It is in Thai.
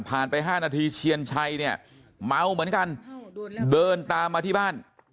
ไป๕นาทีเชียนชัยเนี่ยเมาเหมือนกันเดินตามมาที่บ้าน